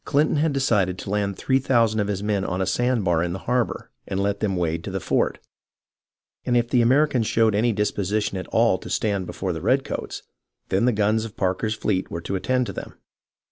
CHnton had decided to land three thousand of his men on a sand bar in the harbour, and let them wade to the fort, and if the Americans showed any disposition at all to stand before the redcoats, then the guns of Parker's fleet were to attend to them.